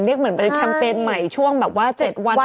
เรียกเหมือนเป็นแคมเปญใหม่ช่วงแบบว่า๗วันอันตราย